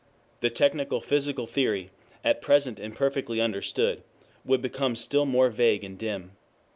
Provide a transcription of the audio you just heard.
The technical physical theory, at present imperfectly understood, will become still more vague and dim.